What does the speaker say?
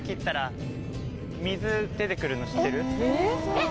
えっ！